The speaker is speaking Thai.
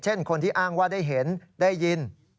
คนที่อ้างว่าได้เห็นได้ยิน